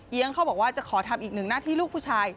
เขาบอกว่าจะขอทำอีกหนึ่งหน้าที่ลูกผู้ชาย